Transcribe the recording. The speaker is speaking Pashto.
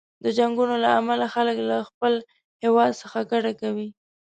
د جنګونو له امله خلک له خپل هیواد څخه کډه کوي.